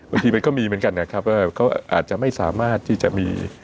บางทีมันก็มีเหมือนกันนะครับว่าเขาอาจจะไม่สามารถที่จะมี